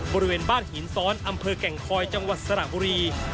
บริเวณบ้านหินซ้อนอำเภอแก่งคอยจังหวัดสระบุรี